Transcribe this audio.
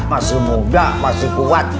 masih muda masih kuat